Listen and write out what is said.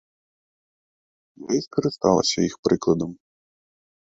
Я і скарысталася іх прыкладам.